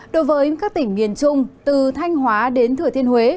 đối với các tỉnh miền trung từ thanh hóa đến thừa thiên huế